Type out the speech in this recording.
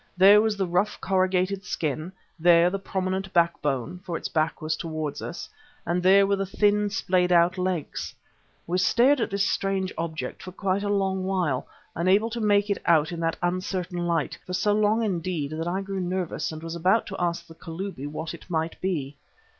There was the rough corrugated skin, there the prominent backbone (for its back was towards us), and there were the thin, splayed out legs. We stared at this strange object for quite a long while, unable to make it out in that uncertain light, for so long indeed, that I grew nervous and was about to ask the Kalubi what it might be.